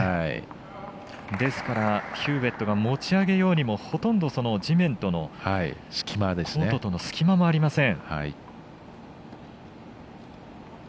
ですからヒューウェットが持ち上げようにもほとんど地面とコートとの隙間もありません。